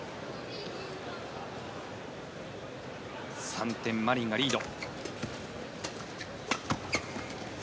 ３点、マリンがリード。